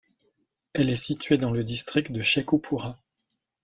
Elle est située dans le district de Shekhupura.